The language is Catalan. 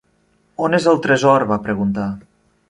"On és el tresor", va preguntar.